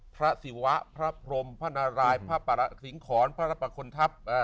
พระศิวะพระพรมพระนารายพระสิงขรพระประคลทัพ